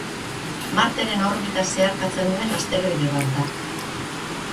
Marteren orbita zeharkatzen duen asteroide bat da.